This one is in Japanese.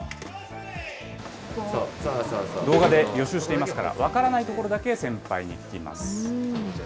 動画で予習していますから、分からないところだけ先輩に聞きます。